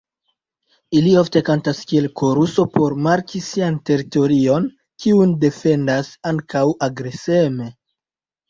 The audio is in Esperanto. Ili ofte kantas kiel koruso por marki sian teritorion, kiun defendas ankaŭ agreseme.